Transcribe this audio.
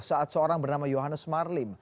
saat seorang bernama yohannes marlim